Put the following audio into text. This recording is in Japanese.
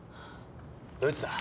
どいつだ？